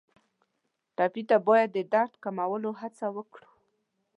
ټپي ته باید د درد کمولو هڅه وکړو.